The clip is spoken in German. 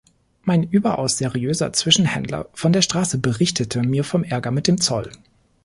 Mein überaus seriöser Zwischenhändler von der Straße berichtete mir vom Ärger mit dem Zoll.